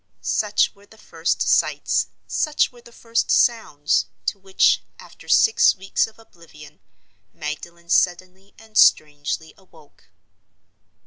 —such were the first sights, such were the first sounds, to which, after six weeks of oblivion, Magdalen suddenly and strangely awoke.